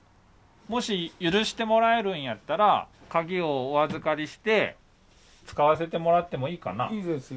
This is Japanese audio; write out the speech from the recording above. もし許してもらえるんやったら鍵をお預かりして使わせてもらってもいいかな？